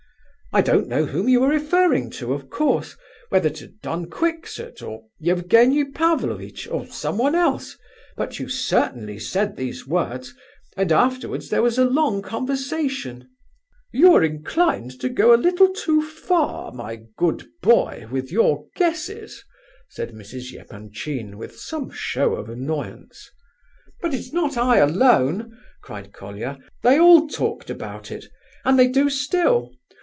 I don't know whom you were referring to, of course, whether to Don Quixote, or Evgenie Pavlovitch, or someone else, but you certainly said these words, and afterwards there was a long conversation..." "You are inclined to go a little too far, my good boy, with your guesses," said Mrs. Epanchin, with some show of annoyance. "But it's not I alone," cried Colia. "They all talked about it, and they do still.